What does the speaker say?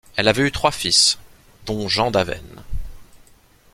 Elle avait eu trois fils, dont Jean d’Avesnes.